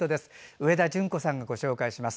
上田淳子さんがご紹介します。